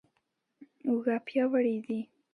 اوږه پیاوړې دي.